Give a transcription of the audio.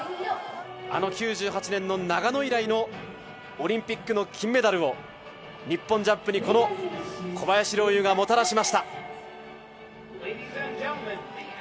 あの９８年の長野以来のオリンピックの金メダルを日本ジャンプにこの小林陵侑がもたらしました。